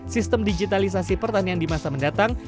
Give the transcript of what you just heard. sistem digitalisasi pertanian di masa mendatang